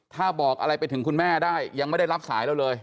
ถ้าบอกอะไรไปถึงคุณแม่ได้ยังไม่ได้รับสายเราเลย